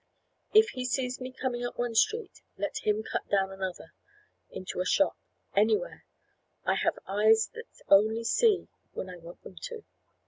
If he sees me coming up one street, let him cut down another; into a shop; anywhere; I have eyes that only see when I want them to.